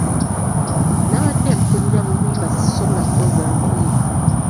Nabadde mpulira bubi nga sisobola kwoza ngoye.